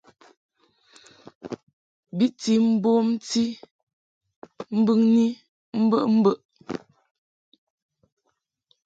Bi ti bomti mbɨŋni mbəʼmbəʼ.